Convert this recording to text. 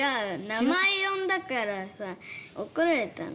名前呼んだからさ怒られたの。